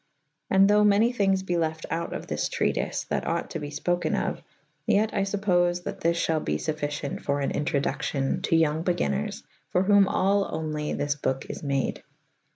And [F iv a] though many thynges be left out of this trea tyfe that ought to be fpoken of / yet I fuppofe that this fhall be fufficyent for an introductyo« to yonge begynners / for who»2 all onely this boke is made.